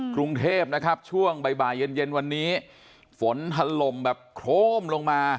กรุงเทพนะครับช่วงบ่ายเย็นเย็นวันนี้ฝนถล่มแบบโครมลงมา